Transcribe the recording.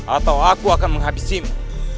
atau aku akan menghabisimu